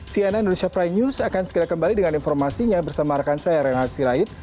cnn indonesia prime news akan segera kembali dengan informasinya bersama rekan saya renat sirait